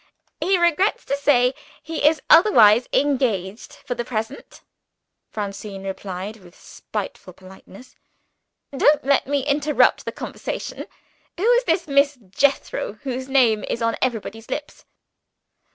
"He regrets to say he is otherwise engaged for the present," Francine replied with spiteful politeness. "Don't let me interrupt the conversation. Who is this Miss Jethro, whose name is on everybody's lips?"